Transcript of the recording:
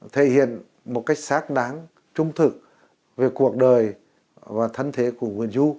thể hiện một cách xác đáng trung thực về cuộc đời và thân thế của nguyễn du